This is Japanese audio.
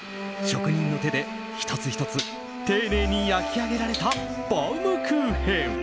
職人の手で、１つ１つ丁寧に焼き上げられたバウムクーヘン。